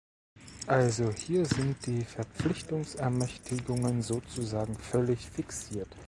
Also hier sind die Verpflichtungsermächtigungen sozusagen völlig fixiert.